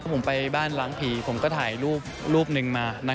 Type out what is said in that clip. ผมไปบ้านล้างผีผมก็ถ่ายรูปหนึ่งมา